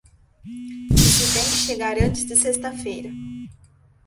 Isso tem que chegar antes de sexta-feira.